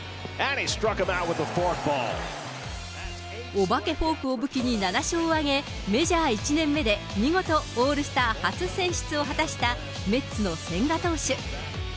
お化けフォークを武器に７勝を挙げ、メジャー１年目で見事、オールスター初選出を果たしたメッツの千賀投手。